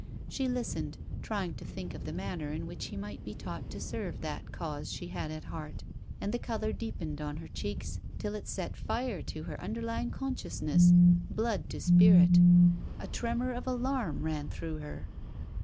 She listened, trying to think of the manner in which he might be taught to serve that cause she had at heart; and the colour deepened on her cheeks till it set fire to her underlying consciousness: blood to spirit. A tremour of alarm ran through her.